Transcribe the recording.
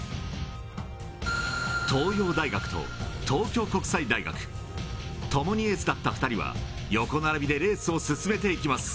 東洋大学と東京国際大学、ともにエースだった２人は、横並びでレースを進めていきます。